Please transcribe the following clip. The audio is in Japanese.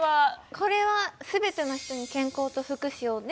これは「すべての人に健康と福祉を」ね